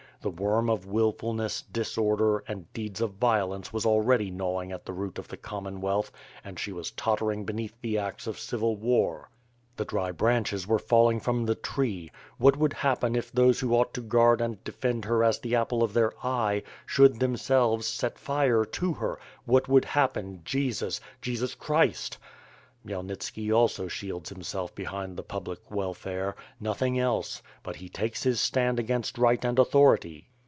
The worm of wilfulness, disorder, and deeds of violence was already gnaw ing the root of this Commonwealth and she was tottering be neath the axe of civil war, the dry branches were falling from the tree — what would happen if those who ought to guard and defend her as the apple of their eye, should themselves set fire to her, what would happen, Jesus! Jesus Christ! Khmyelnitski also shields himself behind the public wel fare; nothing else, but he takes his stand against right and authoritv.